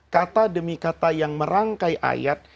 kata demi kata yang merangkai ayat